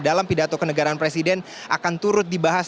dalam pidato kenegaraan presiden akan turut dibahas